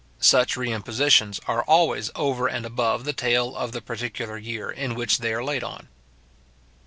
Such reimpositions are always over and above the taille of the particular year in which they are laid on.